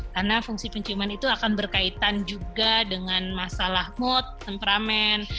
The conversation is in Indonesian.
karena fungsi penciuman itu akan berkaitan juga dengan masalah mood temperamen